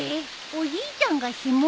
おじいちゃんが干物？